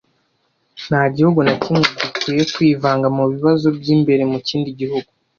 Nta gihugu na kimwe gikwiye kwivanga mu bibazo by’imbere mu kindi gihugu.